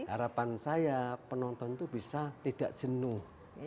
harapan saya penonton itu bisa tidak jenuh